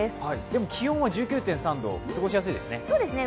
でも気温は１９．３度、過ごしやすいですね。